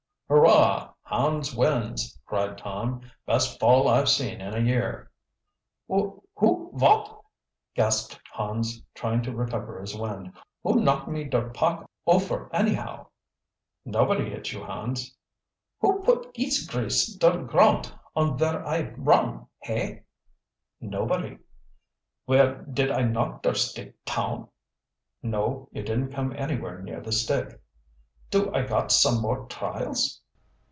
"Hurrah, Hans wins!" cried Tom. "Best fall I've seen in a year!" "Wh who vat " gasped Hans, trying to recover his wind. "Who knocked me der pack ofer annahow?" "Nobody hit you, Hans." "Who put geese grease der groundt on ver I run, hey?" "Nobody." "Well, did I knock der stick town?" "No, you didn't come anywhere near the stick." "Do I got some more trials?"